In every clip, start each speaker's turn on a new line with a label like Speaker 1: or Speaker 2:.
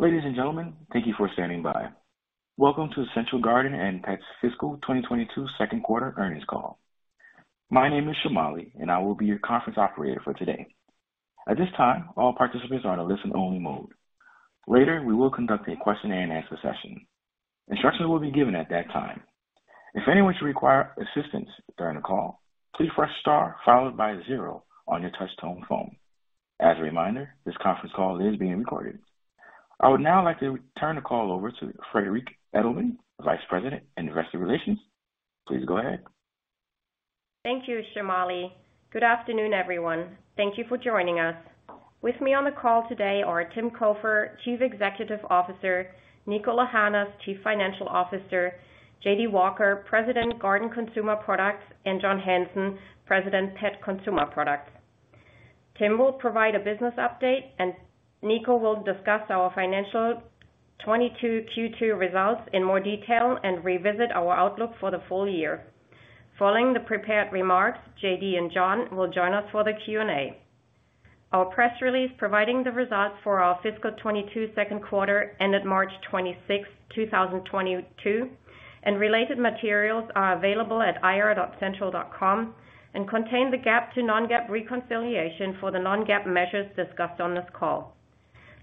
Speaker 1: Ladies and gentlemen, thank you for standing by. Welcome to Central Garden & Pet's fiscal 2022 second quarter earnings call. My name is Shamali, and I will be your conference operator for today. At this time, all participants are in a listen only mode. Later, we will conduct a question-and-answer session. Instructions will be given at that time. If anyone should require assistance during the call, please press star followed by zero on your touch tone phone. As a reminder, this conference call is being recorded. I would now like to turn the call over to Friederike Edelmann, Vice President, Investor Relations. Please go ahead.
Speaker 2: Thank you, Shamali. Good afternoon, everyone. Thank you for joining us. With me on the call today are Tim Cofer, Chief Executive Officer, Niko Lahanas, Chief Financial Officer, J.D. Walker, President, Garden Consumer Products, and John Hanson, President, Pet Consumer Products. Tim will provide a business update, and Niko will discuss our financial 2022 Q2 results in more detail and revisit our outlook for the full-year. Following the prepared remarks, J.D. and John will join us for the Q&A. Our press release providing the results for our fiscal 2022 second quarter ended March 26th, 2022, and related materials are available at ir.central.com and contain the GAAP to non-GAAP reconciliation for the non-GAAP measures discussed on this call.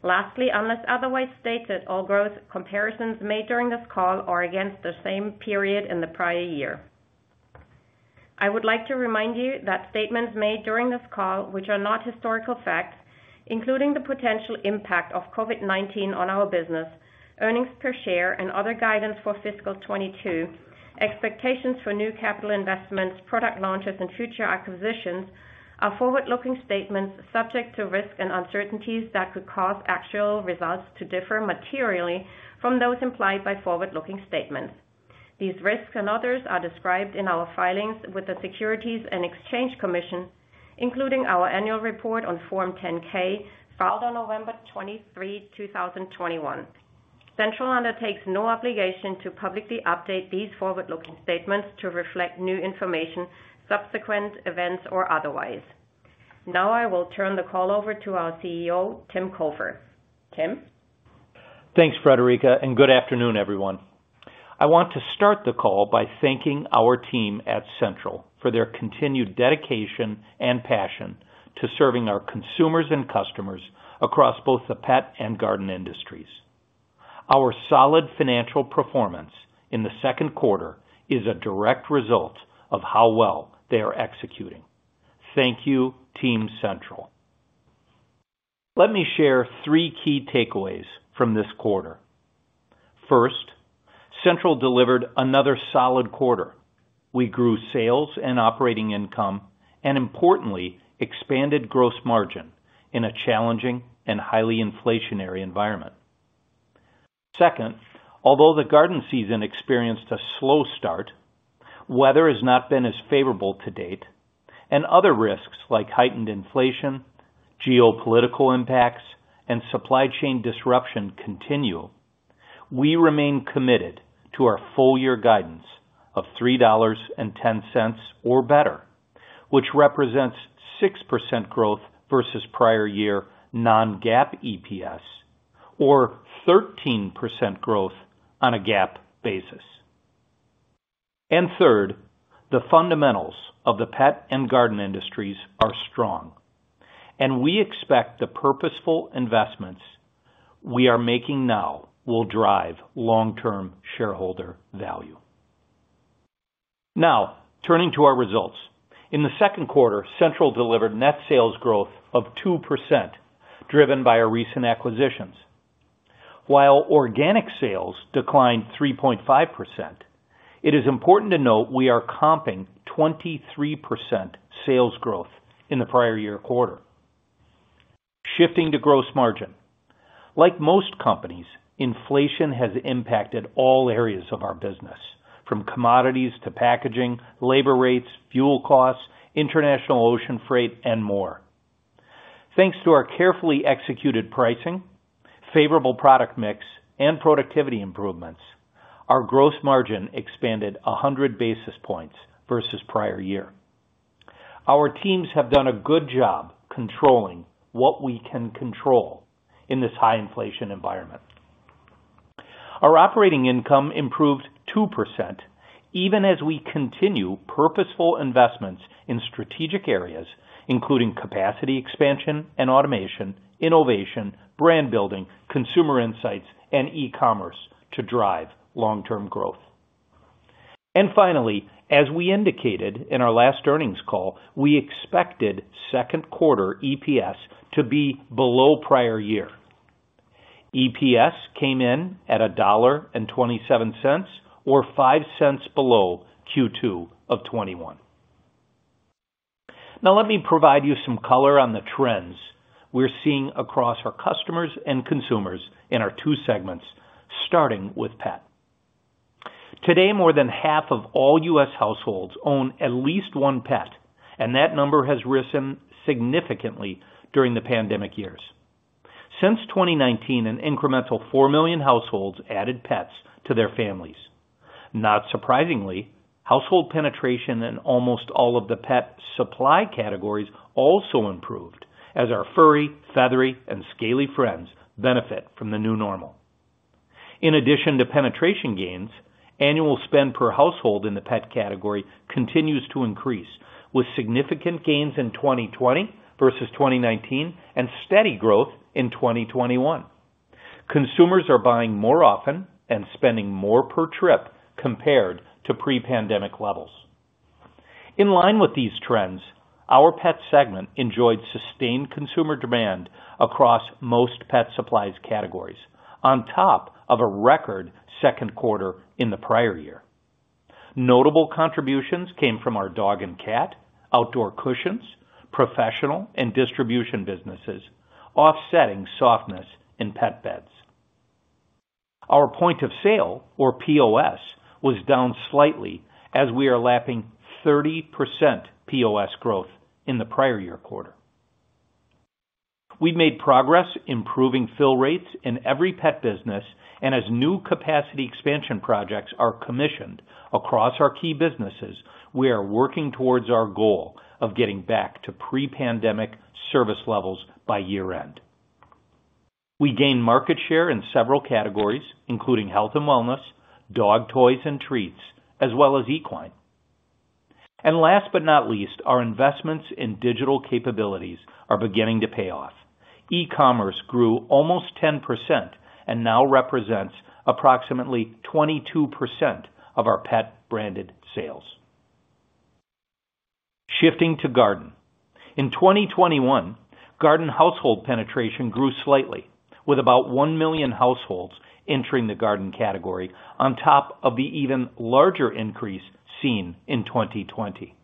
Speaker 2: Lastly, unless otherwise stated, all growth comparisons made during this call are against the same period in the prior year. I would like to remind you that statements made during this call, which are not historical facts, including the potential impact of COVID-19 on our business, earnings per share and other guidance for fiscal 2022, expectations for new capital investments, product launches and future acquisitions are forward-looking statements subject to risks and uncertainties that could cause actual results to differ materially from those implied by forward-looking statements. These risks and others are described in our filings with the Securities and Exchange Commission, including our annual report on Form 10-K filed on November 23, 2021. Central undertakes no obligation to publicly update these forward-looking statements to reflect new information, subsequent events or otherwise. Now I will turn the call over to our CEO, Tim Cofer. Tim.
Speaker 3: Thanks, Friederike, and good afternoon, everyone. I want to start the call by thanking our team at Central for their continued dedication and passion to serving our consumers and customers across both the pet and garden industries. Our solid financial performance in the second quarter is a direct result of how well they are executing. Thank you, team Central. Let me share three key takeaways from this quarter. First, Central delivered another solid quarter. We grew sales and operating income and importantly, expanded gross margin in a challenging and highly inflationary environment. Second, although the garden season experienced a slow start, weather has not been as favorable to date, and other risks like heightened inflation, geopolitical impacts, and supply chain disruption continue, we remain committed to our full-year guidance of $3.10 or better, which represents 6% growth versus prior year non-GAAP EPS or 13% growth on a GAAP basis. Third, the fundamentals of the pet and garden industries are strong, and we expect the purposeful investments we are making now will drive long-term shareholder value. Now, turning to our results. In the second quarter, Central delivered net sales growth of 2%, driven by our recent acquisitions. While organic sales declined 3.5%, it is important to note we are comping 23% sales growth in the prior year quarter. Shifting to gross margin. Like most companies, inflation has impacted all areas of our business, from commodities to packaging, labor rates, fuel costs, international ocean freight and more. Thanks to our carefully executed pricing, favorable product mix and productivity improvements, our gross margin expanded 100 bps versus prior year. Our teams have done a good job controlling what we can control in this high inflation environment. Our operating income improved 2% even as we continue purposeful investments in strategic areas, including capacity expansion and automation, innovation, brand building, consumer insights and e-commerce to drive long-term growth. Finally, as we indicated in our last earnings call, we expected second quarter EPS to be below prior year. EPS came in at $1.27 or $0.05 below Q2 of 2021. Now, let me provide you some color on the trends we're seeing across our customers and consumers in our two segments, starting with Pet. Today, more than half of all U.S. households own at least one pet, and that number has risen significantly during the pandemic years. Since 2019, an incremental 4 million households added pets to their families. Not surprisingly, household penetration in almost all of the pet supply categories also improved as our furry, feathery, and scaly friends benefit from the new normal. In addition to penetration gains, annual spend per household in the pet category continues to increase, with significant gains in 2020 versus 2019 and steady growth in 2021. Consumers are buying more often and spending more per trip compared to pre-pandemic levels. In line with these trends, our pet segment enjoyed sustained consumer demand across most pet supplies categories on top of a record second quarter in the prior year. Notable contributions came from our dog and cat, outdoor cushions, professional and distribution businesses, offsetting softness in pet beds. Our point of sale or POS was down slightly as we are lapping 30% POS growth in the prior year quarter. We made progress improving fill rates in every pet business and as new capacity expansion projects are commissioned across our key businesses, we are working towards our goal of getting back to pre-pandemic service levels by year-end. We gained market share in several categories, including health and wellness, dog toys and treats, as well as equine. Last but not least, our investments in digital capabilities are beginning to pay off. E-commerce grew almost 10% and now represents approximately 22% of our pet branded sales. Shifting to garden. In 2021, garden household penetration grew slightly, with about 1 million households entering the garden category on top of the even larger increase seen in 2020.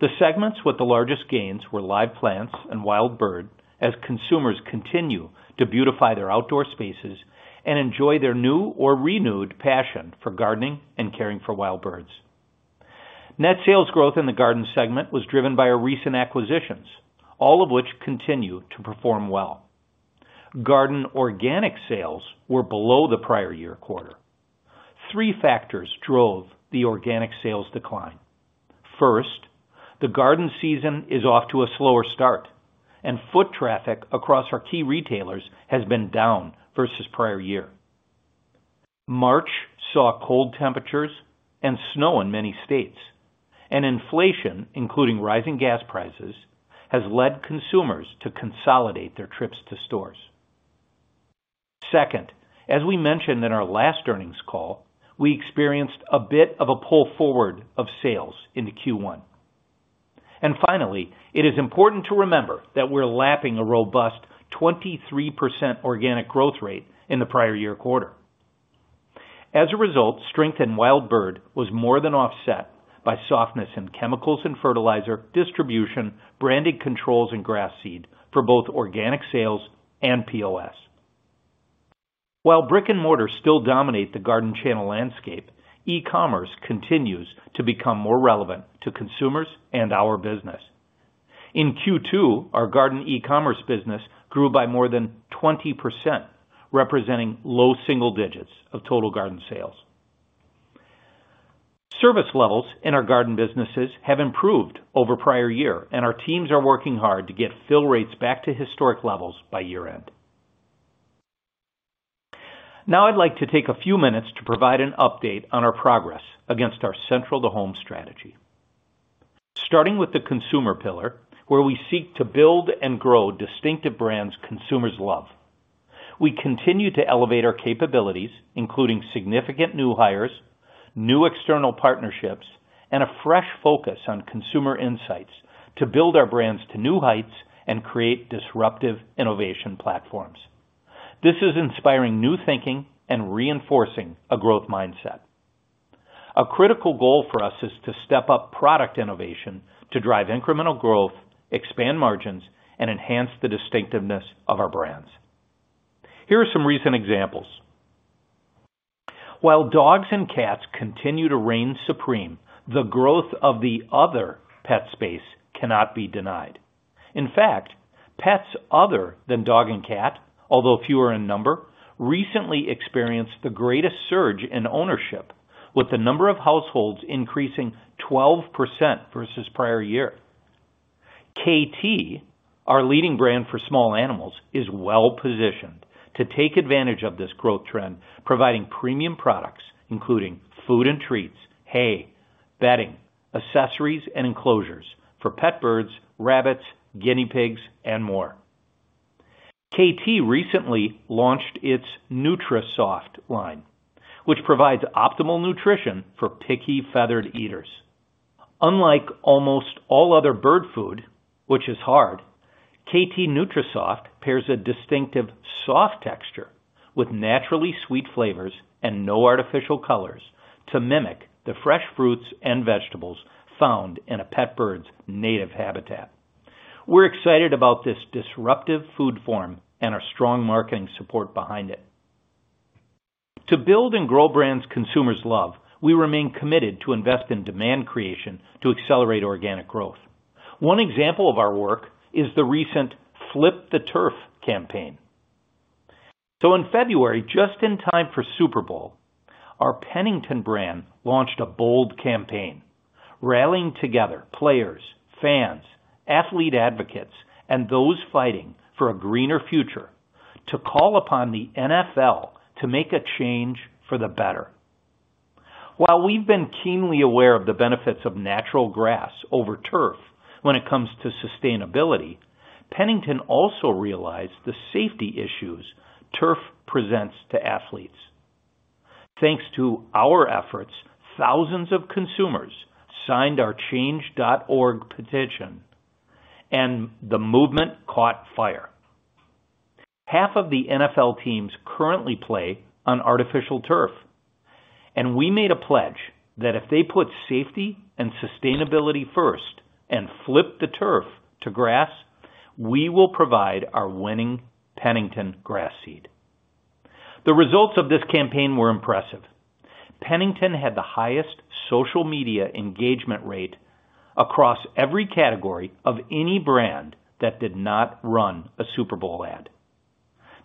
Speaker 3: The segments with the largest gains were live plants and wild bird as consumers continue to beautify their outdoor spaces and enjoy their new or renewed passion for gardening and caring for wild birds. Net sales growth in the garden segment was driven by our recent acquisitions, all of which continue to perform well. Garden organic sales were below the prior year quarter. Three factors drove the organic sales decline. First, the garden season is off to a slower start and foot traffic across our key retailers has been down versus prior year. March saw cold temperatures and snow in many states, and inflation, including rising gas prices, has led consumers to consolidate their trips to stores. Second, as we mentioned in our last earnings call, we experienced a bit of a pull forward of sales into Q1. Finally, it is important to remember that we're lapping a robust 23% organic growth rate in the prior year quarter. As a result, strength in wild bird was more than offset by softness in chemicals and fertilizer, distribution, branded controls, and grass seed for both organic sales and POS. While brick and mortar still dominate the garden channel landscape, e-commerce continues to become more relevant to consumers and our business. In Q2, our garden e-commerce business grew by more than 20%, representing low single digits of total garden sales. Service levels in our garden businesses have improved over prior year, and our teams are working hard to get fill rates back to historic levels by year-end. Now I'd like to take a few minutes to provide an update on our progress against our Central to Home strategy. Starting with the consumer pillar, where we seek to build and grow distinctive brands consumers love. We continue to elevate our capabilities, including significant new hires, new external partnerships, and a fresh focus on consumer insights to build our brands to new heights and create disruptive innovation platforms. This is inspiring new thinking and reinforcing a growth mindset. A critical goal for us is to step up product innovation to drive incremental growth, expand margins, and enhance the distinctiveness of our brands. Here are some recent examples. While dogs and cats continue to reign supreme, the growth of the other pet space cannot be denied. In fact, pets other than dog and cat, although fewer in number, recently experienced the greatest surge in ownership, with the number of households increasing 12% versus prior year. Kaytee, our leading brand for small animals, is well positioned to take advantage of this growth trend, providing premium products including food and treats, hay, bedding, accessories and enclosures for pet birds, rabbits, guinea pigs and more. Kaytee recently launched its NutriSoft line, which provides optimal nutrition for picky feathered eaters. Unlike almost all other bird food, which is hard, Kaytee NutriSoft pairs a distinctive soft texture with naturally sweet flavors and no artificial colors to mimic the fresh fruits and vegetables found in a pet bird's native habitat. We're excited about this disruptive food form and our strong marketing support behind it. To build and grow brands consumers love, we remain committed to invest in demand creation to accelerate organic growth. One example of our work is the recent Flip the Turf campaign. In February, just in time for Super Bowl, our Pennington brand launched a bold campaign, rallying together players, fans, athlete advocates, and those fighting for a greener future to call upon the NFL to make a change for the better. While we've been keenly aware of the benefits of natural grass over turf when it comes to sustainability, Pennington also realized the safety issues turf presents to athletes. Thanks to our efforts, thousands of consumers signed our Change.org petition, and the movement caught fire. Half of the NFL teams currently play on artificial turf, and we made a pledge that if they put safety and sustainability first and flip the turf to grass, we will provide our winning Pennington grass seed. The results of this campaign were impressive. Pennington had the highest social media engagement rate across every category of any brand that did not run a Super Bowl ad.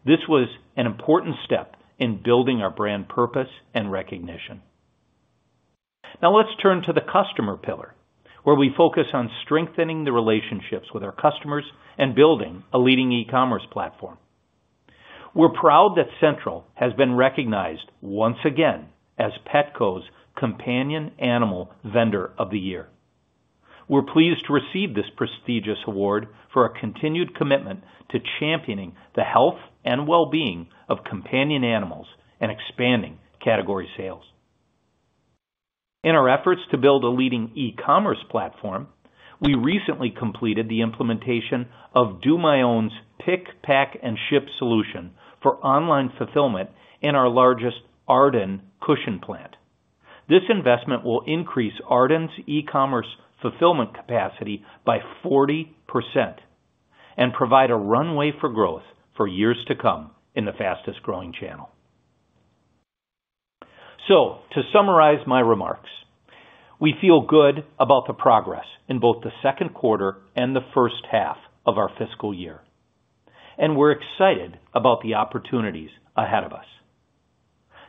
Speaker 3: This was an important step in building our brand purpose and recognition. Now let's turn to the customer pillar, where we focus on strengthening the relationships with our customers and building a leading e-commerce platform. We're proud that Central has been recognized once again as Petco's Companion Animal Vendor of the Year. We're pleased to receive this prestigious award for our continued commitment to championing the health and well-being of companion animals and expanding category sales. In our efforts to build a leading e-commerce platform, we recently completed the implementation of DoMyOwn's Pick, Pack, and Ship solution for online fulfillment in our largest Arden Cushion plant. This investment will increase Arden's e-commerce fulfillment capacity by 40% and provide a runway for growth for years to come in the fastest-growing channel. To summarize my remarks, we feel good about the progress in both the second quarter and the first half of our fiscal year, and we're excited about the opportunities ahead of us.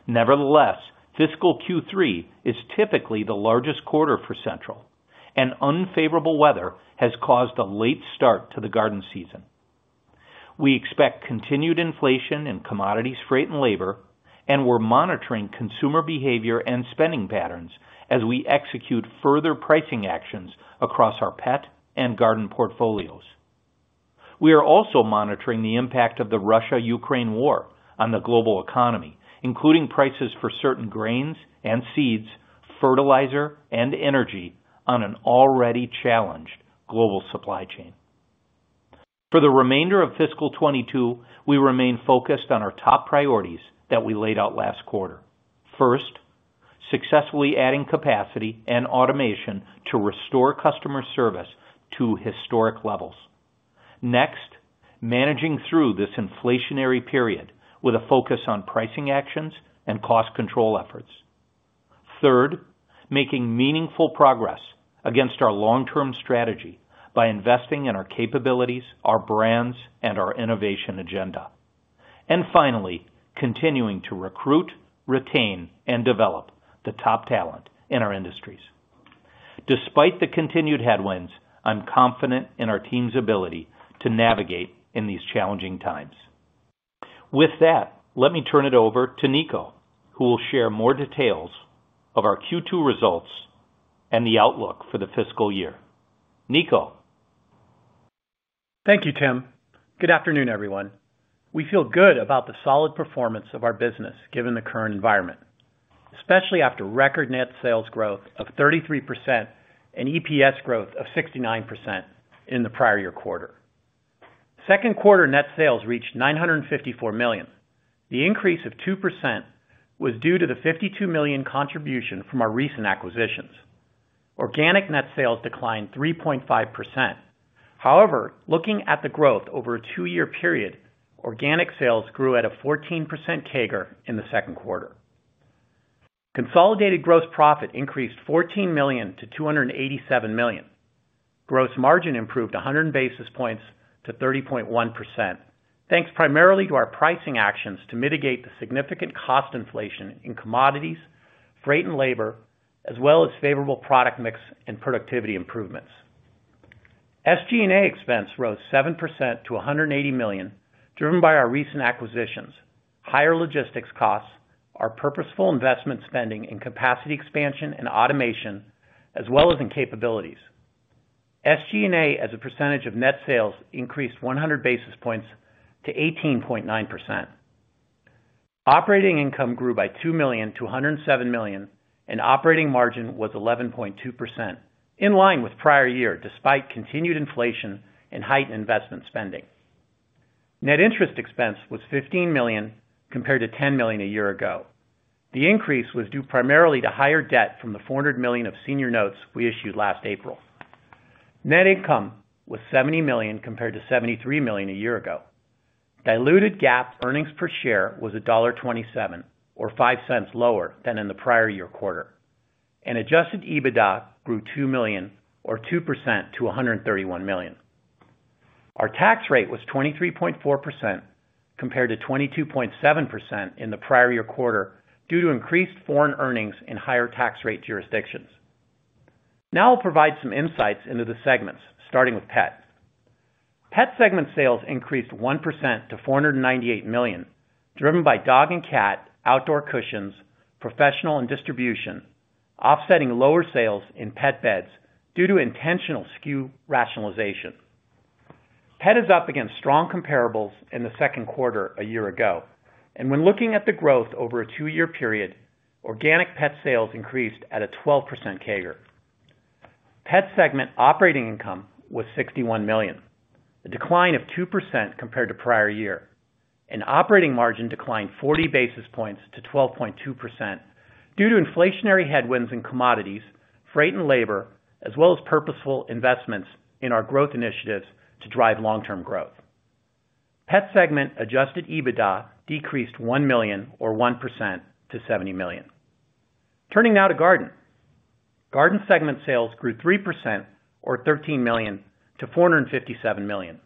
Speaker 3: Nevertheless, fiscal Q3 is typically the largest quarter for Central, and unfavorable weather has caused a late start to the garden season. We expect continued inflation in commodities, freight, and labor, and we're monitoring consumer behavior and spending patterns as we execute further pricing actions across our pet and garden portfolios. We are also monitoring the impact of the Russia-Ukraine war on the global economy, including prices for certain grains and seeds, fertilizer, and energy on an already challenged global supply chain. For the remainder of fiscal 2022, we remain focused on our top priorities that we laid out last quarter. First, successfully adding capacity and automation to restore customer service to historic levels. Next, managing through this inflationary period with a focus on pricing actions and cost control efforts. Third, making meaningful progress against our long-term strategy by investing in our capabilities, our brands, and our innovation agenda. And finally, continuing to recruit, retain, and develop the top talent in our industries. Despite the continued headwinds, I'm confident in our team's ability to navigate in these challenging times. With that, let me turn it over to Niko, who will share more details of our Q2 results and the outlook for the fiscal year. Niko?
Speaker 4: Thank you, Tim. Good afternoon, everyone. We feel good about the solid performance of our business given the current environment, especially after record net sales growth of 33% and EPS growth of 69% in the prior year quarter. Second quarter net sales reached $954 million. The increase of 2% was due to the $52 million contribution from our recent acquisitions. Organic net sales declined 3.5%. However, looking at the growth over a two-year period, organic sales grew at a 14% CAGR in the second quarter. Consolidated gross profit increased $14 million to $287 million. Gross margin improved 100 bps to 30.1%, thanks primarily to our pricing actions to mitigate the significant cost inflation in commodities, freight, and labor, as well as favorable product mix and productivity improvements. SG&A expense rose 7% to $180 million, driven by our recent acquisitions, higher logistics costs, our purposeful investment spending in capacity expansion and automation, as well as in capabilities. SG&A, as a percentage of net sales, increased 100 bps to 18.9%. Operating income grew by $2 million to $107 million, and operating margin was 11.2%, in line with prior year, despite continued inflation and heightened investment spending. Net interest expense was $15 million, compared to $10 million a year ago. The increase was due primarily to higher debt from the $400 million of senior notes we issued last April. Net income was $70 million compared to $73 million a year ago. Diluted GAAP earnings per share was $1.27 or $0.05 lower than in the prior year quarter. Adjusted EBITDA grew $2 million or 2% to $131 million. Our tax rate was 23.4% compared to 22.7% in the prior year quarter due to increased foreign earnings in higher tax rate jurisdictions. Now I'll provide some insights into the segments, starting with pets. Pet segment sales increased 1% to $498 million, driven by dog and cat, outdoor cushions, professional and distribution, offsetting lower sales in pet beds due to intentional SKU rationalization. Pet is up against strong comparables in the second quarter a year ago. When looking at the growth over a two year period, organic pet sales increased at a 12% CAGR. Pet segment operating income was $61 million, a decline of 2% compared to prior year, and operating margin declined 40bps to 12.2% due to inflationary headwinds in commodities, freight and labor, as well as purposeful investments in our growth initiatives to drive long-term growth. Pet segment adjusted EBITDA decreased $1 million or 1% to $70 million. Turning now to Garden. Garden segment sales grew 3% or $13 million - $457 million.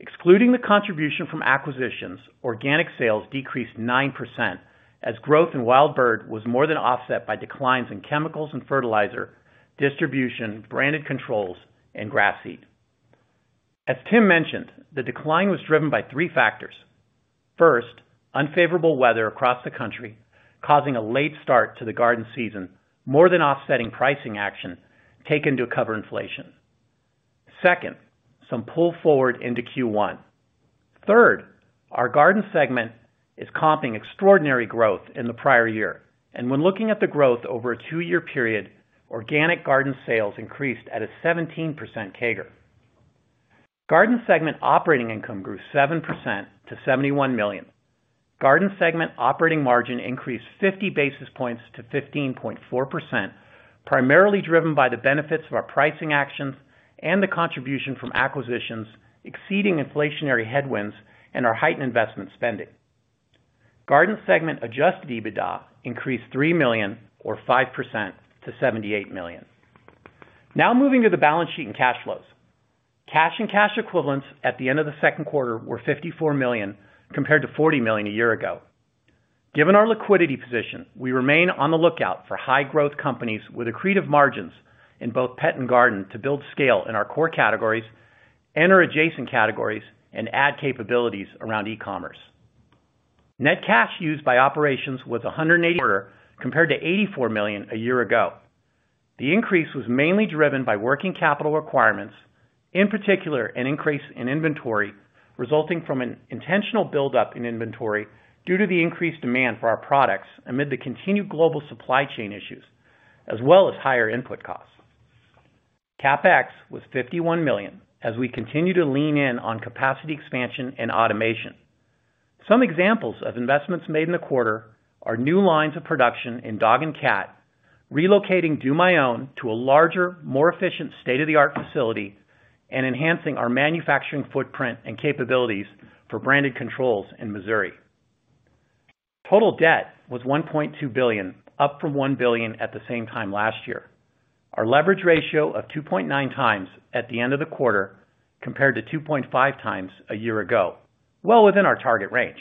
Speaker 4: Excluding the contribution from acquisitions, organic sales decreased 9% as growth in wild bird was more than offset by declines in chemicals and fertilizer, distribution, branded controls and grass seed. As Tim mentioned, the decline was driven by three factors. First, unfavorable weather across the country, causing a late start to the garden season, more than offsetting pricing action taken to cover inflation. Second, some pull forward into Q1. Third, our garden segment is comping extraordinary growth in the prior year. When looking at the growth over a two-year period, organic garden sales increased at a 17% CAGR. Garden segment operating income grew 7% to $71 million. Garden segment operating margin increased 50 bps to 15.4%, primarily driven by the benefits of our pricing actions and the contribution from acquisitions exceeding inflationary headwinds and our heightened investment spending. Garden segment adjusted EBITDA increased $3 million or 5% to $78 million. Now moving to the balance sheet and cash flows. Cash and cash equivalents at the end of the second quarter were $54 million, compared to $40 million a year ago. Given our liquidity position, we remain on the lookout for high growth companies with accretive margins in both pet and garden to build scale in our core categories and/or adjacent categories and add capabilities around e-commerce. Net cash used by operations was $180 million compared to $84 million a year ago. The increase was mainly driven by working capital requirements, in particular an increase in inventory resulting from an intentional buildup in inventory due to the increased demand for our products amid the continued global supply chain issues as well as higher input costs. CapEx was $51 million as we continue to lean in on capacity expansion and automation. Some examples of investments made in the quarter are new lines of production in dog and cat, relocating DoMyOwn to a larger, more efficient state-of-the-art facility, and enhancing our manufacturing footprint and capabilities for branded controls in Missouri. Total debt was $1.2 billion, up from $1 billion at the same time last year. Our leverage ratio of 2.9x at the end of the quarter compared to 2.5x a year ago, well within our target range.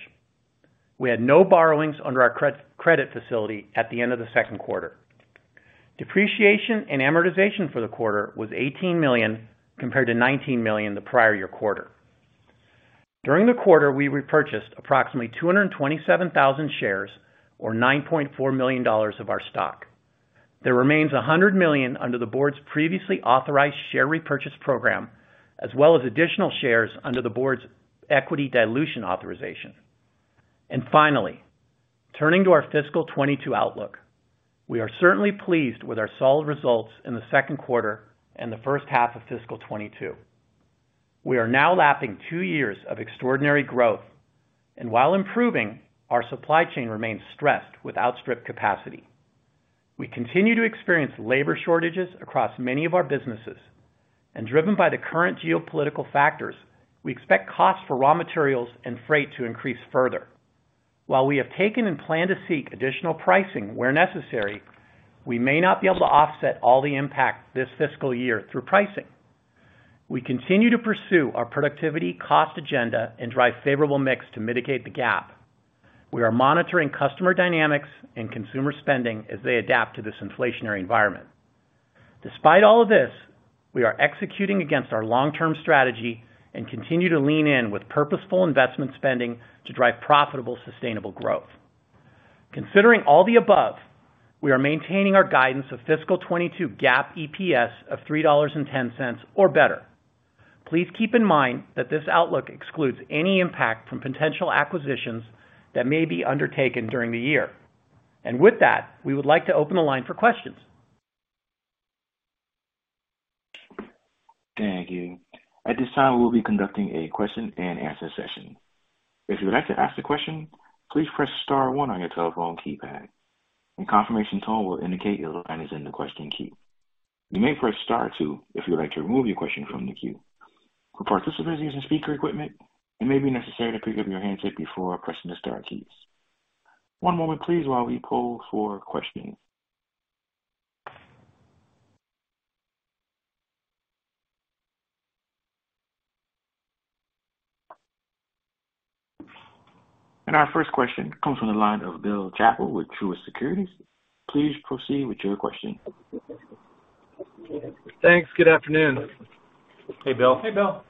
Speaker 4: We had no borrowings under our credit facility at the end of the second quarter. Depreciation and amortization for the quarter was $18 million, compared to $19 million the prior year quarter. During the quarter, we repurchased approximately 227,000 shares or $9.4 million of our stock. There remains $100 million under the board's previously authorized share repurchase program, as well as additional shares under the board's equity dilution authorization. Finally, turning to our fiscal 2022 outlook. We are certainly pleased with our solid results in the second quarter and the first half of fiscal 2022. We are now lapping two years of extraordinary growth, and while improving, our supply chain remains stressed with outstripped capacity. We continue to experience labor shortages across many of our businesses. Driven by the current geopolitical factors, we expect costs for raw materials and freight to increase further. While we have taken and plan to seek additional pricing where necessary, we may not be able to offset all the impact this fiscal year through pricing. We continue to pursue our productivity cost agenda and drive favorable mix to mitigate the gap. We are monitoring customer dynamics and consumer spending as they adapt to this inflationary environment. Despite all of this, we are executing against our long-term strategy and continue to lean in with purposeful investment spending to drive profitable, sustainable growth. Considering all the above, we are maintaining our guidance of fiscal 2022 GAAP EPS of $3.10 or better. Please keep in mind that this outlook excludes any impact from potential acquisitions that may be undertaken during the year. With that, we would like to open the line for questions.
Speaker 1: Thank you. At this time, we'll be conducting a question-and-answer session. If you'd like to ask a question, please press star one on your telephone keypad and confirmation tone will indicate your line is open. You may press star two if you would like to remove your question from the queue. For participants using speaker equipment, it may be necessary to pick up your handset before pressing the star keys. One moment please while we poll for questioning. Our first question comes from the line of Bill Chappell with Truist Securities. Please proceed with your question.
Speaker 5: Thanks. Good afternoon.
Speaker 3: Hey, Bill.
Speaker 6: Hey, Bill.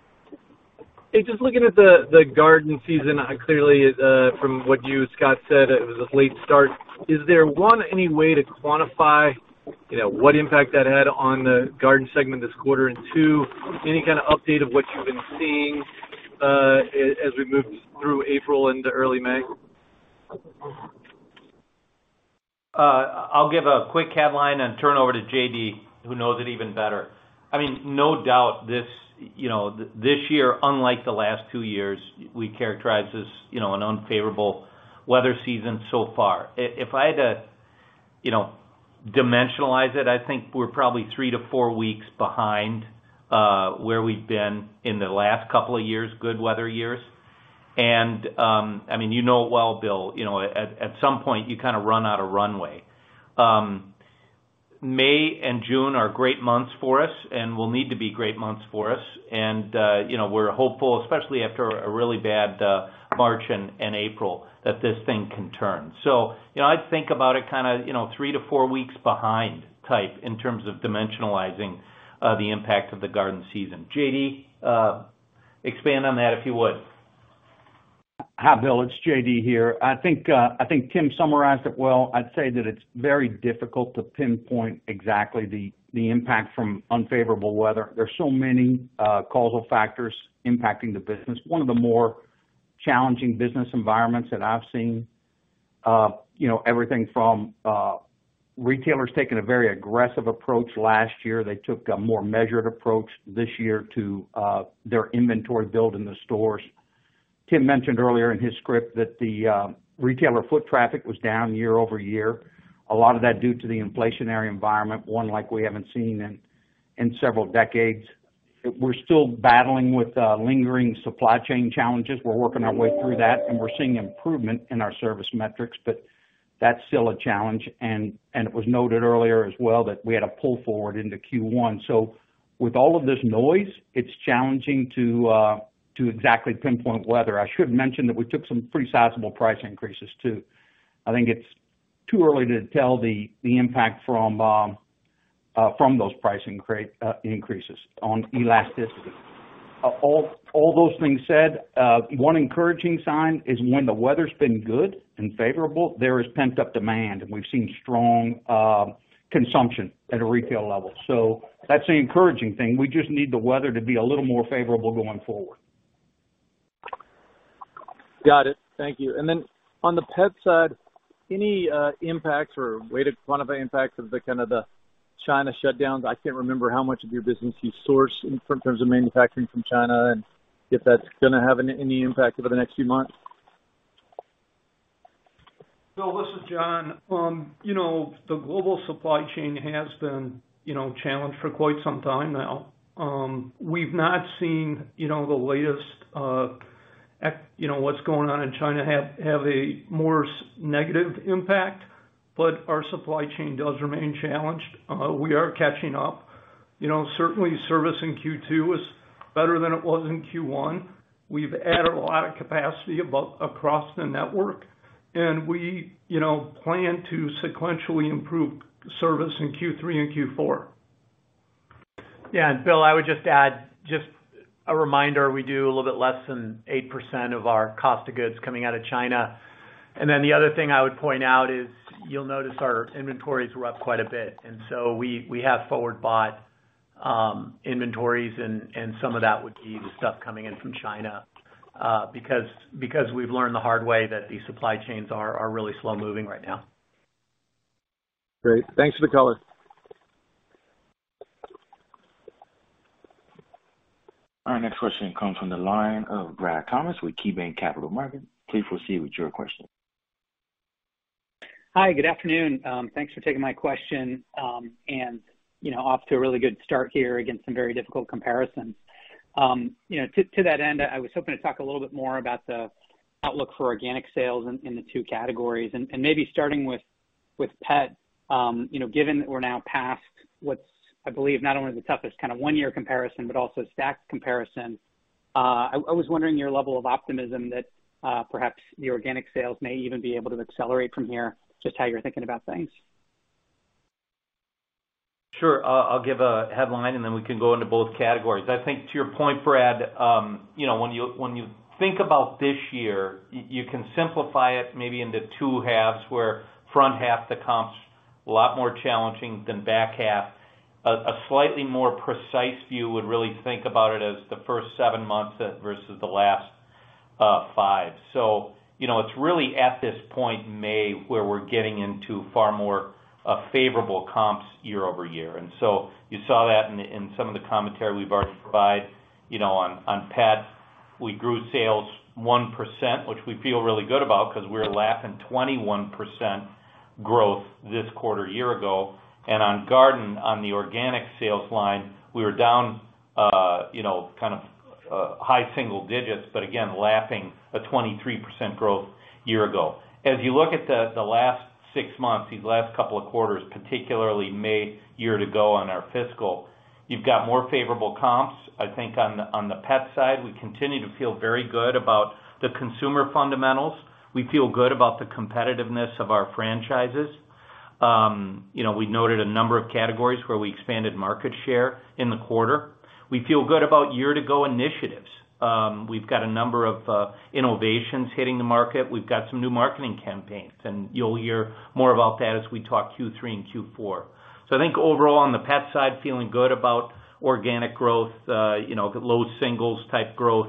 Speaker 5: Hey, just looking at the garden season. Clearly, from what you, Scott, said, it was a late start. Is there, one, any way to quantify, you know, what impact that had on the garden segment this quarter? Two, any kind of update of what you've been seeing, as we move through April into early May?
Speaker 3: I'll give a quick headline and turn over to J.D., who knows it even better. I mean, no doubt this, you know, this year, unlike the last two years, we characterize as, you know, an unfavorable weather season so far. If I had to, you know, dimensionalize it, I think we're probably three-four weeks behind, where we've been in the last couple of years, good weather years. I mean, you know it well, Bill, you know, at some point you kind of run out of runway. May and June are great months for us and will need to be great months for us. You know, we're hopeful, especially after a really bad March and April, that this thing can turn. You know, I think about it kind of, you know, three-fourweeks behind, tying in terms of dimensionalizing the impact of the garden season. J.D., expand on that, if you would.
Speaker 6: Hi, Bill. It's J.D. here. I think Tim summarized it well. I'd say that it's very difficult to pinpoint exactly the impact from unfavorable weather. There are so many causal factors impacting the business. One of the more challenging business environments that I've seen. You know, everything from retailers taking a very aggressive approach last year. They took a more measured approach this year to their inventory build in the stores. Tim mentioned earlier in his script that the retailer foot traffic was down year-over-year. A lot of that due to the inflationary environment, one like we haven't seen in several decades. We're still battling with lingering supply chain challenges. We're working our way through that, and we're seeing improvement in our service metrics, but that's still a challenge. It was noted earlier as well that we had to pull forward into Q1. With all of this noise, it's challenging to exactly pinpoint weather. I should mention that we took some pretty sizable price increases too. I think it's too early to tell the impact from those pricing increases on elasticity. All those things said, one encouraging sign is when the weather's been good and favorable, there is pent-up demand, and we've seen strong consumption at a retail level. That's an encouraging thing. We just need the weather to be a little more favorable going forward.
Speaker 5: Got it. Thank you. On the pet side, any impacts or way to quantify impacts of the kind of the China shutdowns? I can't remember how much of your business you source in terms of manufacturing from China and if that's gonna have any impact over the next few months.
Speaker 7: Bill, this is John. You know, the global supply chain has been, you know, challenged for quite some time now. We've not seen, you know, the latest, you know, what's going on in China have a more significant negative impact, but our supply chain does remain challenged. We are catching up. You know, certainly service in Q2 was better than it was in Q1. We've added a lot of capacity across the network, and we, you know, plan to sequentially improve service in Q3 and Q4.
Speaker 6: Yeah. Bill, I would just add just a reminder, we do a little bit less than 8% of our cost of goods coming out of China. Then the other thing I would point out is you'll notice our inventories were up quite a bit, and so we have forward bought inventories and some of that would be the stuff coming in from China because we've learned the hard way that these supply chains are really slow-moving right now.
Speaker 5: Great. Thanks for the color.
Speaker 1: Our next question comes from the line of Brad Thomas with KeyBanc Capital Markets. Please proceed with your question.
Speaker 8: Hi, good afternoon. Thanks for taking my question. You know, off to a really good start here against some very difficult comparisons. You know, to that end, I was hoping to talk a little bit more about the outlook for organic sales in the two categories. Maybe starting with pet, you know, given that we're now past what's, I believe, not only the toughest kind of one-year comparison, but also stacked comparison, I was wondering your level of optimism that, perhaps the organic sales may even be able to accelerate from here, just how you're thinking about things.
Speaker 3: Sure. I'll give a headline, and then we can go into both categories. I think to your point, Brad, you know, when you think about this year, you can simplify it maybe into two halves where front half the comp's a lot more challenging than back half. A slightly more precise view would really think about it as the first seven months versus the last five. You know, it's really at this point in May where we're getting into far more favorable comps year-over-year. You saw that in some of the commentary we've already provided, you know, on pet. We grew sales 1%, which we feel really good about because we're lapping 21% growth this quarter a year ago. On garden, on the organic sales line, we were down, you know, kind of, high single digits, but again, lapping a 23% growth year ago. As you look at the last six months, these last couple of quarters, particularly May year ago on our fiscal, you've got more favorable comps. I think on the pet side, we continue to feel very good about the consumer fundamentals. We feel good about the competitiveness of our franchises. You know, we noted a number of categories where we expanded market share in the quarter. We feel good about year-to-go initiatives. We've got a number of innovations hitting the market. We've got some new marketing campaigns, and you'll hear more about that as we talk Q3 and Q4. I think overall on the pet side, feeling good about organic growth, you know, low singles type growth,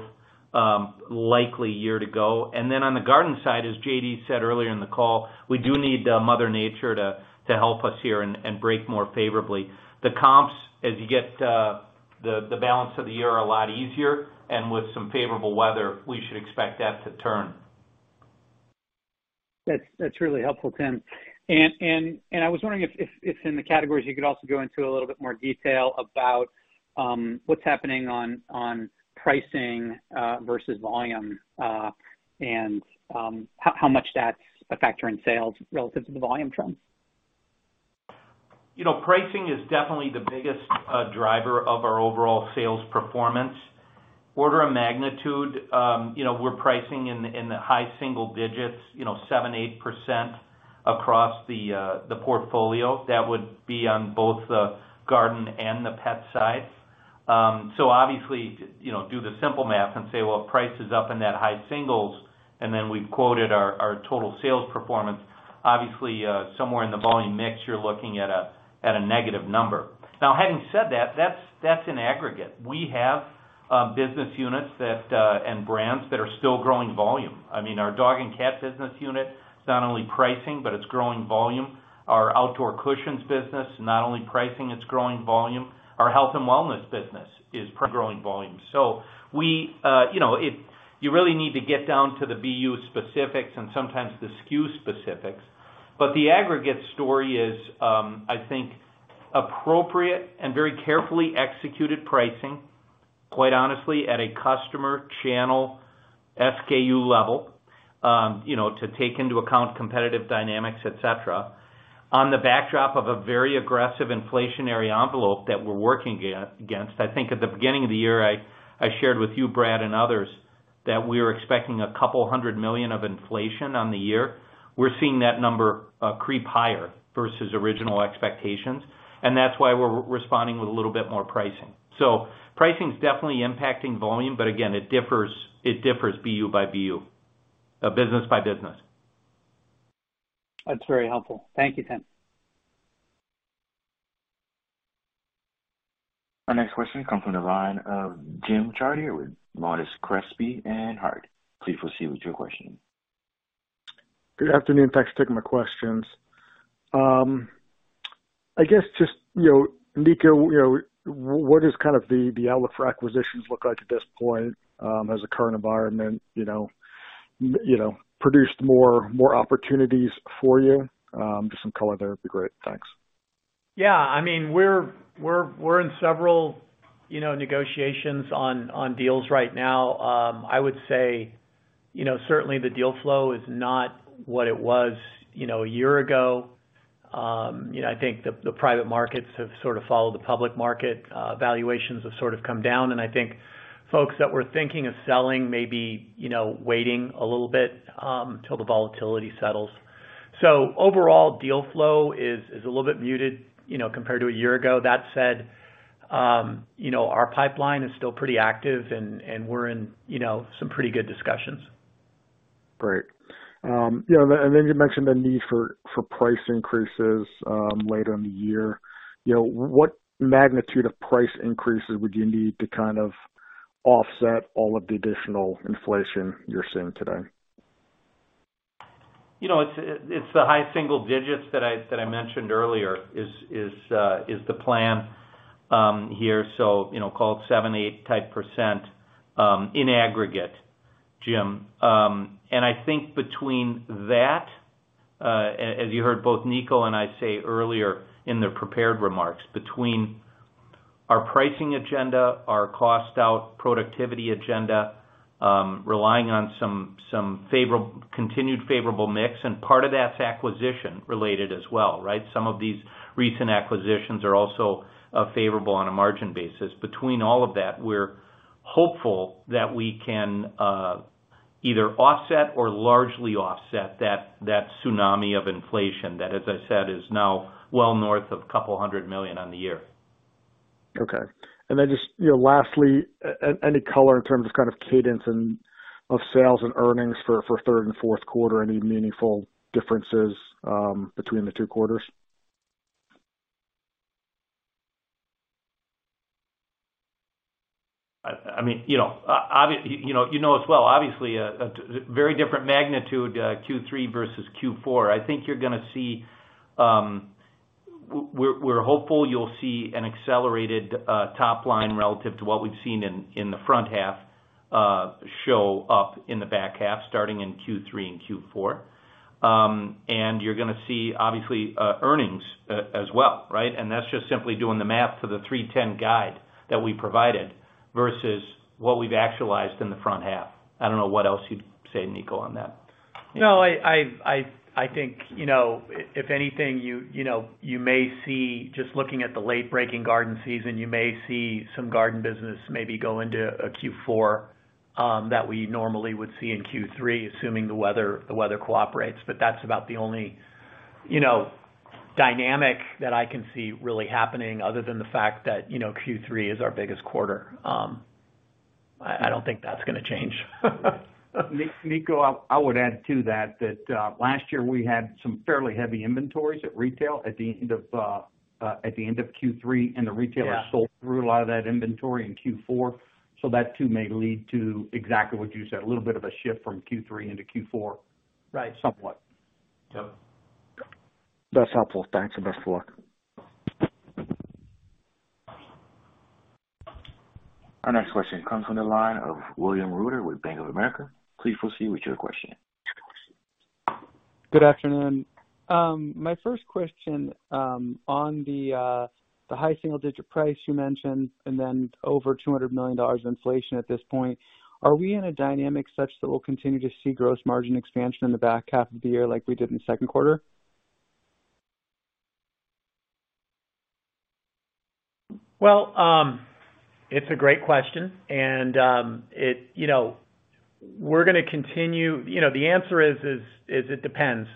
Speaker 3: likely year to go. Then on the garden side, as J.D. said earlier in the call, we do need Mother Nature to help us here and break more favorably. The comps, as you get the balance of the year are a lot easier and with some favorable weather, we should expect that to turn.
Speaker 8: That's really helpful, Tim. I was wondering if in the categories you could also go into a little bit more detail about what's happening on pricing versus volume, and how much that's a factor in sales relative to the volume trends.
Speaker 3: You know, pricing is definitely the biggest driver of our overall sales performance. Order of magnitude, you know, we're pricing in the high single digits, you know, 7%-8% across the portfolio that would be on both the garden and the pet side. Obviously, you know, do the simple math and say, well, price is up in that high single digits, and then we've noted our total sales performance. Obviously, somewhere in the volume mix you're looking at a negative number. Now having said that's in aggregate. We have business units that and brands that are still growing volume. I mean, our dog and cat business unit is not only pricing, but it's growing volume. Our outdoor cushions business, not only pricing, it's growing volume. Our health and wellness business is growing volume. We really need to get down to the BU specifics and sometimes the SKU specifics. The aggregate story is, I think appropriate and very carefully executed pricing, quite honestly at a customer channel SKU level, to take into account competitive dynamics, et cetera, on the backdrop of a very aggressive inflationary envelope that we're working against. I think at the beginning of the year, I shared with you, Brad and others, that we were expecting $200 million of inflation on the year. We're seeing that number creep higher versus original expectations, and that's why we're responding with a little bit more pricing. Pricing is definitely impacting volume, but again, it differs BU by BU, business by business.
Speaker 8: That's very helpful. Thank you, Tim.
Speaker 1: Our next question comes from the line of Jim Chartier with Monness, Crespi, Hardt. Please proceed with your question.
Speaker 9: Good afternoon. Thanks for taking my questions. I guess just, you know, Niko, you know, what is kind of the outlook for acquisitions look like at this point, as the current environment, you know, you know, produced more opportunities for you? Just some color there would be great. Thanks.
Speaker 3: Yeah, I mean, we're in several, you know, negotiations on deals right now. I would say, you know, certainly the deal flow is not what it was, you know, a year ago. I think the private markets have sort of followed the public market. Valuations have sort of come down. I think folks that were thinking of selling may be, you know, waiting a little bit, till the volatility settles. Overall deal flow is a little bit muted, you know, compared to a year ago. That said, you know, our pipeline is still pretty active and we're in, you know, some pretty good discussions.
Speaker 9: Great. You know, and then you mentioned the need for price increases later in the year. You know, what magnitude of price increases would you need to kind of offset all of the additional inflation you're seeing today?
Speaker 3: You know, it's the high single digits that I mentioned earlier is the plan here. You know, call it 7%-8% in aggregate, Jim. I think between that, as you heard both Nico and I say earlier in the prepared remarks, between our pricing agenda, our cost out productivity agenda, relying on some continued favorable mix, and part of that's acquisition related as well, right? Some of these recent acquisitions are also favorable on a margin basis. Between all of that, we're hopeful that we can either offset or largely offset that tsunami of inflation that, as I said, is now well north of $200 million on the year.
Speaker 9: Okay. Just, you know, lastly, any color in terms of kind of cadence of sales and earnings for third and fourth quarter, any meaningful differences between the two quarters?
Speaker 3: I mean, you know as well, obviously a very different magnitude, Q3 versus Q4. I think you're gonna see, We're hopeful you'll see an accelerated top line relative to what we've seen in the front half show up in the back half, starting in Q3 and Q4. You're gonna see obviously earnings as well, right? That's just simply doing the math for the $3.10 guide that we provided versus what we've actualized in the front half. I don't know what else you'd say, Niko, on that.
Speaker 4: No, I think, you know, if anything, you know, you may see just looking at the late breaking garden season, you may see some garden business maybe go into a Q4, that we normally would see in Q3, assuming the weather cooperates. That's about the only, you know, dynamic that I can see really happening other than the fact that, you know, Q3 is our biggest quarter. I don't think that's gonna change.
Speaker 6: Nico, I would add to that, last year we had some fairly heavy inventories at retail at the end of Q3, and the retailers-
Speaker 4: Yeah.
Speaker 6: Sold through a lot of that inventory in Q4. That too may lead to exactly what you said, a little bit of a shift from Q3 into Q4.
Speaker 4: Right.
Speaker 6: Somewhat.
Speaker 10: Yep.
Speaker 1: That's helpful. Thanks, and best of luck. Our next question comes from the line of William Reuter with Bank of America. Please proceed with your question.
Speaker 11: Good afternoon. My first question on the high single-digit price you mentioned, and then over $200 million of inflation at this point. Are we in a dynamic such that we'll continue to see gross margin expansion in the back half of the year like we did in the second quarter?
Speaker 4: Well, it's a great question, and it depends,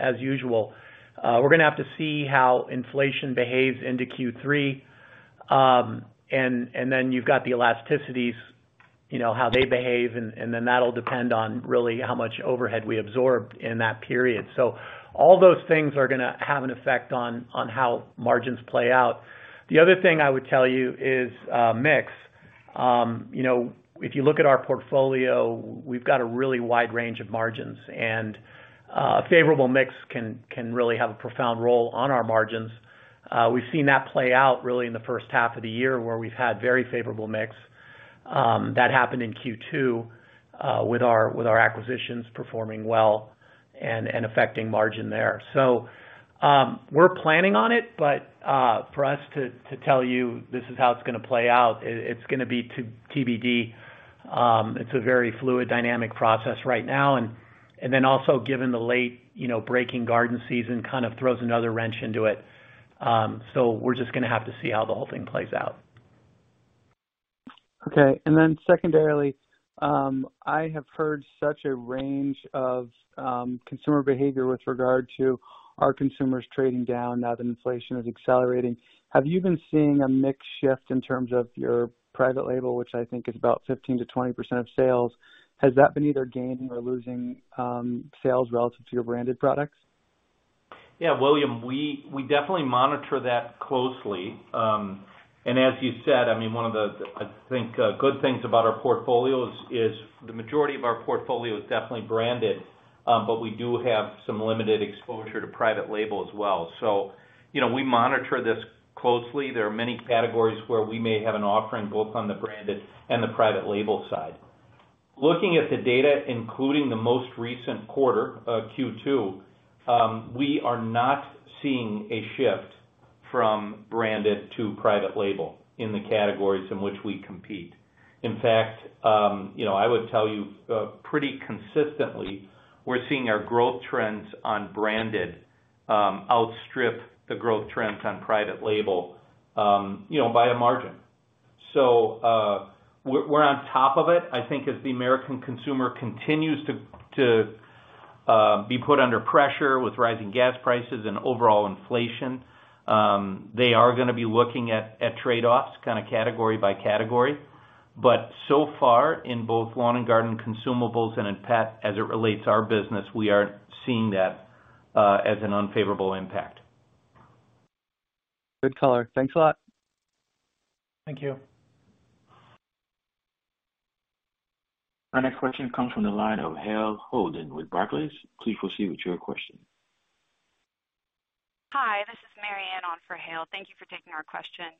Speaker 4: as usual. We're gonna have to see how inflation behaves into Q3. And then you've got the elasticities, you know, how they behave, and then that'll depend on really how much overhead we absorb in that period. All those things are gonna have an effect on how margins play out. The other thing I would tell you is mix. You know, if you look at our portfolio, we've got a really wide range of margins. A favorable mix can really have a profound role on our margins. We've seen that play out really in the first half of the year where we've had very favorable mix. That happened in Q2 with our acquisitions performing well and affecting margin there. We're planning on it, but for us to tell you this is how it's gonna play out, it's gonna be TBD. It's a very fluid, dynamic process right now. Then also given the late-breaking, you know, garden season kind of throws another wrench into it. We're just gonna have to see how the whole thing plays out.
Speaker 11: Okay. Secondarily, I have heard such a range of consumer behavior with regard to our consumers trading down now that inflation is accelerating. Have you been seeing a mix shift in terms of your private label, which I think is about 15%-20% of sales? Has that been either gaining or losing sales relative to your branded products?
Speaker 4: Yeah, William, we definitely monitor that closely. As you said, I mean, one of the, I think, good things about our portfolio is the majority of our portfolio is definitely branded, but we do have some limited exposure to private label as well. You know, we monitor this closely. There are many categories where we may have an offering both on the branded and the private label side. Looking at the data, including the most recent quarter, Q2, we are not seeing a shift from branded to private label in the categories in which we compete. In fact, you know, I would tell you, pretty consistently, we're seeing our growth trends on branded outstrip the growth trends on private label, you know, by a margin. We're on top of it. I think as the American consumer continues to be put under pressure with rising gas prices and overall inflation, they are gonna be looking at trade-offs kind of category by category. So far, in both lawn and garden consumables and in pet, as it relates to our business, we aren't seeing that as an unfavorable impact.
Speaker 11: Good color. Thanks a lot.
Speaker 4: Thank you.
Speaker 1: Our next question comes from the line of Hale Holden with Barclays. Please proceed with your question.
Speaker 10: Hi, this is Marianne on for Hale. Thank you for taking our question.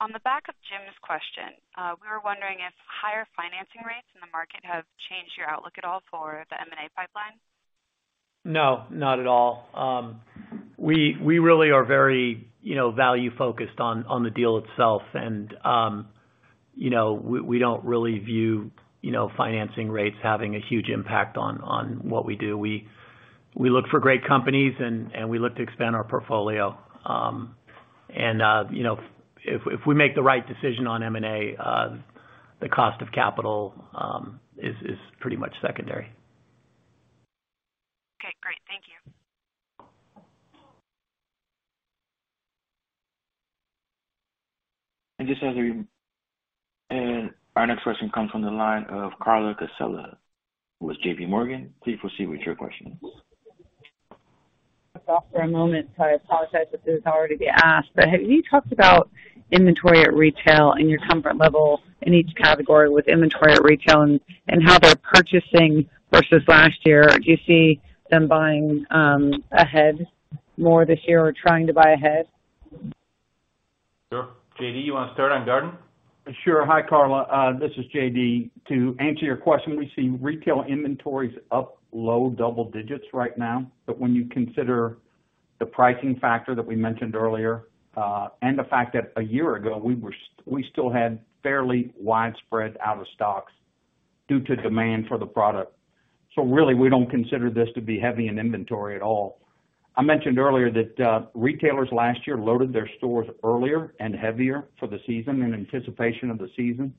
Speaker 10: On the back of Jim's question, we were wondering if higher financing rates in the market have changed your outlook at all for the M&A pipeline.
Speaker 4: No, not at all. We really are very, you know, value-focused on the deal itself. We don't really view, you know, financing rates having a huge impact on what we do. We look for great companies and we look to expand our portfolio. You know, if we make the right decision on M&A, the cost of capital is pretty much secondary.
Speaker 10: Okay, great. Thank you.
Speaker 1: Our next question comes from the line of Carla Casella with JPMorgan. Please proceed with your question.
Speaker 12: Was off for a moment, so I apologize if this has already been asked. Have you talked about inventory at retail and your comfort level in each category with inventory at retail and how they're purchasing versus last year? Do you see them buying ahead more this year or trying to buy ahead?
Speaker 3: Sure. J.D., you wanna start on Garden?
Speaker 6: Sure. Hi, Carla. This is J.D. To answer your question, we see retail inventories up low double digits right now. When you consider the pricing factor that we mentioned earlier, and the fact that a year ago we still had fairly widespread out of stocks due to demand for the product. Really, we don't consider this to be heavy in inventory at all. I mentioned earlier that retailers last year loaded their stores earlier and heavier for the season, in anticipation of the season.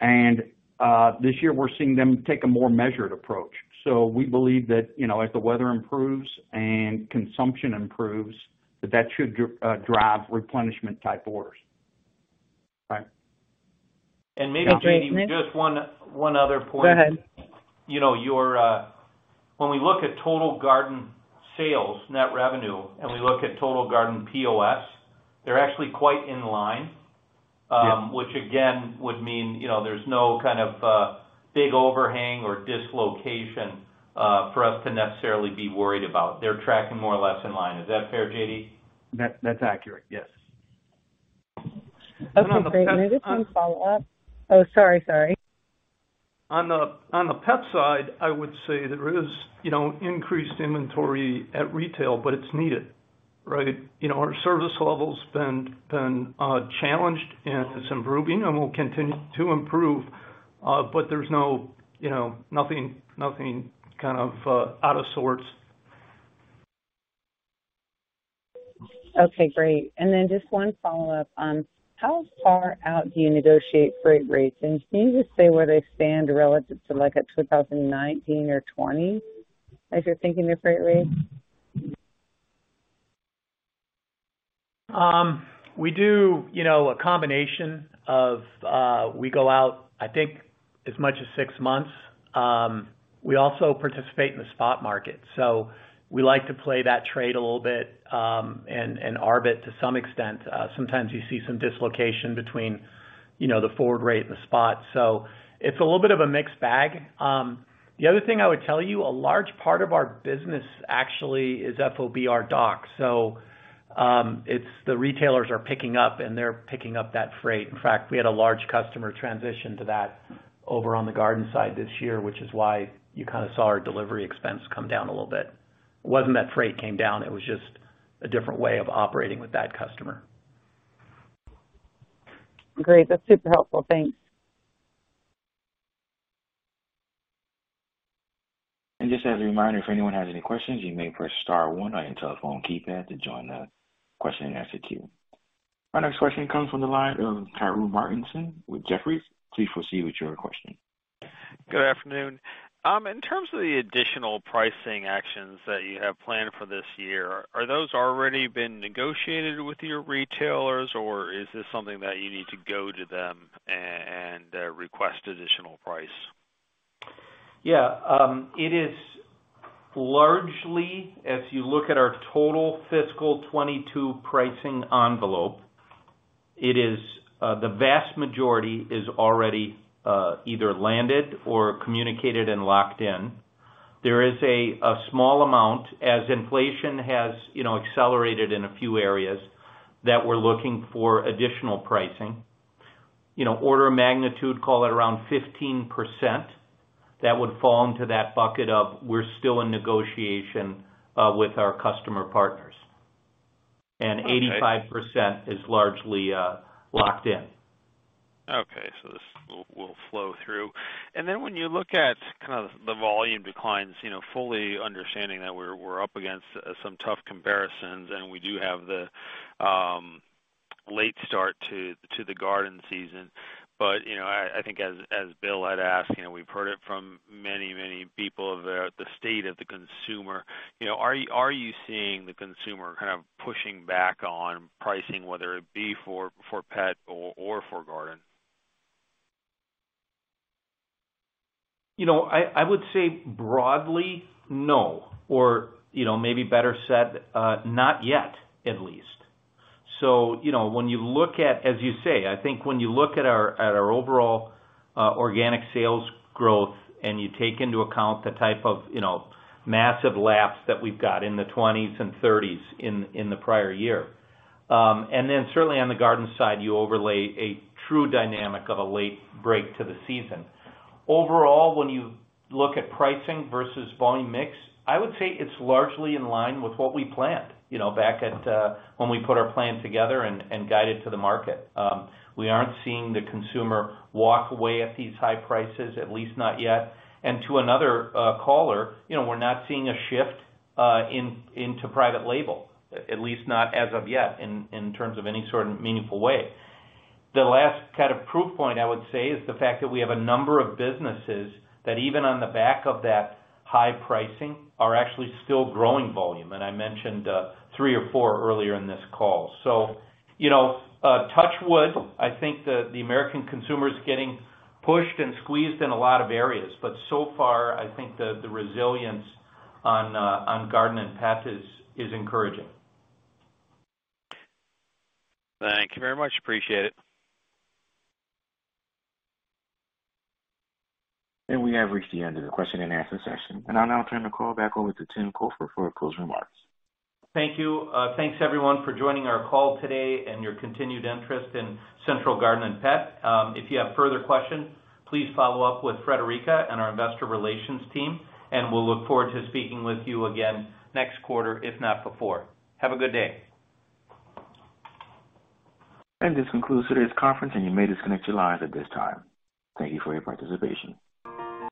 Speaker 6: This year we're seeing them take a more measured approach. We believe that, you know, as the weather improves and consumption improves, that should drive replenishment type orders.
Speaker 3: Right.
Speaker 7: Maybe, J.D., just one other point.
Speaker 6: Go ahead.
Speaker 3: You know, when we look at total garden sales, net revenue, and we look at total garden POS, they're actually quite in line.
Speaker 6: Yeah.
Speaker 3: which again, would mean, you know, there's no kind of, big overhang or dislocation, for us to necessarily be worried about. They're tracking more or less in line. Is that fair, J.D.?
Speaker 6: That, that's accurate, yes.
Speaker 7: On the pet
Speaker 3: Okay, great. Just one follow-up. Oh, sorry.
Speaker 7: On the pet side, I would say there is, you know, increased inventory at retail, but it's needed, right? You know, our service level's been challenged and it's improving and will continue to improve, but there's no, you know, nothing kind of out of sorts.
Speaker 3: Okay, great. Then just one follow-up on how far out do you negotiate freight rates? Can you just say where they stand relative to like a 2019 or 2020, as you're thinking of freight rates?
Speaker 6: We do, you know, a combination of, we go out, I think as much as six months. We also participate in the spot market. We like to play that trade a little bit, and arbitrage to some extent. Sometimes you see some dislocation between, you know, the forward rate and the spot. It's a little bit of a mixed bag. The other thing I would tell you, a large part of our business actually is FOB our dock. The retailers are picking up, and they're picking up that freight. In fact, we had a large customer transition to that over on the garden side this year, which is why you kinda saw our delivery expense come down a little bit. It wasn't that freight came down, it was just a different way of operating with that customer.
Speaker 3: Great. That's super helpful. Thanks.
Speaker 1: Just as a reminder, if anyone has any questions, you may press star one on your telephone keypad to join the question and answer queue. Our next question comes from the line of Peter Grom with Jefferies. Please proceed with your question.
Speaker 13: Good afternoon. In terms of the additional pricing actions that you have planned for this year, are those already been negotiated with your retailers or is this something that you need to go to them and request additional price?
Speaker 3: Yeah. It is largely, as you look at our total fiscal 2022 pricing envelope, the vast majority is already either landed or communicated and locked in. There is a small amount, as inflation has, you know, accelerated in a few areas that we're looking for additional pricing. You know, order of magnitude, call it around 15% that would fall into that bucket of, we're still in negotiation with our customer partners.
Speaker 13: Okay.
Speaker 3: 85% is largely locked in.
Speaker 13: Okay. This will flow through. When you look at kind of the volume declines, you know, fully understanding that we're up against some tough comparisons, and we do have the late start to the garden season. You know, I think as Bill had asked, you know, we've heard it from many people of the state of the consumer. You know, are you seeing the consumer kind of pushing back on pricing, whether it be for pet or for garden?
Speaker 3: You know, I would say broadly, no. Or, you know, maybe better said, not yet, at least. You know, as you say, I think when you look at our overall organic sales growth and you take into account the type of, you know, massive comps that we've got in the 20s and 30s in the prior year. Certainly on the garden side, you overlay a true dynamic of a late break to the season. Overall, when you look at pricing versus volume mix, I would say it's largely in line with what we planned, you know, back when we put our plan together and guided to the market. We aren't seeing the consumer walk away at these high prices, at least not yet. To another caller, you know, we're not seeing a shift into private label, at least not as of yet in terms of any sort of meaningful way. The last kind of proof point, I would say, is the fact that we have a number of businesses that even on the back of that high pricing, are actually still growing volume. I mentioned three or four earlier in this call. You know, touch wood, I think the American consumer is getting pushed and squeezed in a lot of areas, but so far I think the resilience on garden and pets is encouraging.
Speaker 13: Thank you very much. Appreciate it.
Speaker 1: We have reached the end of the question and answer session. I'll now turn the call back over to Tim Cofer for closing remarks.
Speaker 3: Thank you. Thanks everyone for joining our call today and your continued interest in Central Garden & Pet Company. If you have further questions, please follow up with Friederike and our investor relations team, and we'll look-forward to speaking with you again next quarter, if not before. Have a good day.
Speaker 1: This concludes today's conference, and you may disconnect your lines at this time. Thank you for your participation.